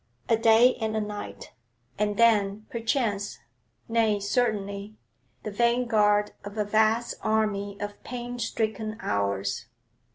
A day and a night, and then, perchance nay, certainly the vanguard of a vast army of pain stricken hours.